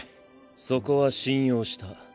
そこは信用した。